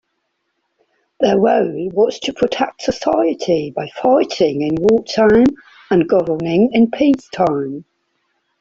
Their role was to protect society by fighting in wartime and governing in peacetime.